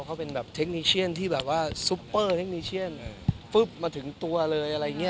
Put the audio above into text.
เขาเป็นแบบเทคนิเชียนที่แบบว่าซุปเปอร์เทคนิเชียนปุ๊บมาถึงตัวเลยอะไรอย่างนี้